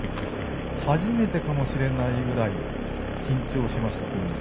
初めてかもしれないぐらい緊張しました、ということです。